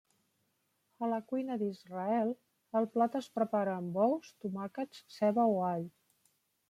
A la cuina d'Israel, el plat es prepara amb ous, tomàquets, ceba o all.